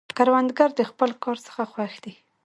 کروندګر د خپل کار څخه خوښ دی